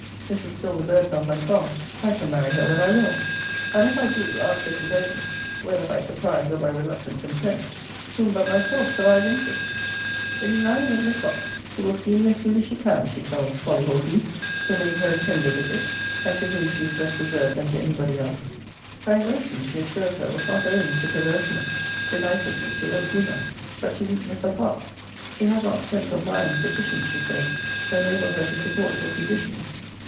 This is still the burden of my song, I can marry her when I will. And if I do, after prevailing (whether by surprise, or by reluctant consent) whom but myself shall I have injured? It is now eleven o'clock. She will see me as soon as she can, she tells Polly Horton, who made her a tender visit, and to whom she is less reserved than to any body else. Her emotion, she assures her, was not owing to perverseness, to nicety, to ill humour; but to weakness of heart. She has not strength of mind sufficient, she says, to enable her to support her condition.